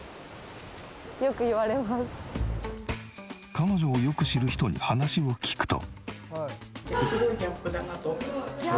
彼女をよく知る人に話を聞くと。